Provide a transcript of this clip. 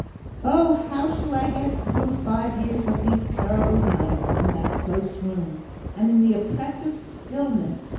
"Oh! how shall I get through five years of these terrible nights! in that close room! and in that oppressive stillness!